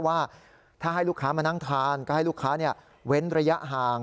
ว่าถ้าให้ลูกค้ามานั่งทานก็ให้ลูกค้าเว้นระยะห่าง